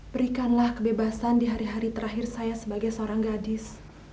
berikanlah kebebasan di hari hari terakhir saya sebagai seorang gadis